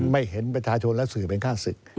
ไม่เห็นประชาชนและสื่อเป็นค่าศึก